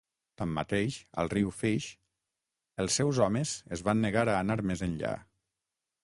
Tanmateix, al riu Fish, els seus homes es van negar a anar més enllà.